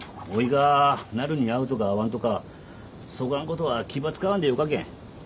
がなるに会うとか会わんとかそがんことは気ば使わんでよかけん。